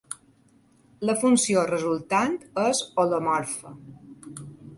La funció resultant és holomorfa.